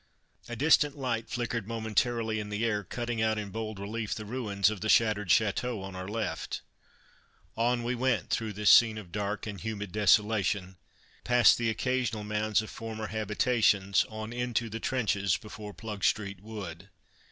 A distant light flickered momentarily in the air, cutting out in bold relief the ruins of the shattered chateau on our left. On we went through this scene of dark and humid desolation, past the occasional mounds of former habitations, on into the trenches before Plugstreet Wood.